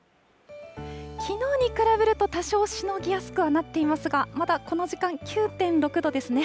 きのうに比べると、多少しのぎやすくはなっていますが、まだこの時間、９．６度ですね。